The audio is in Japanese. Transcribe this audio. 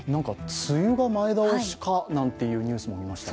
梅雨が前倒しかなんてニュースも見ましたが。